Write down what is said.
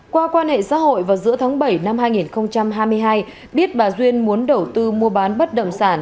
qua quan hệ xã hội vào giữa tháng bảy năm hai nghìn hai mươi hai biết bà duyên muốn đầu tư mua bán bất động sản